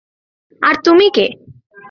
আর তুমি কে?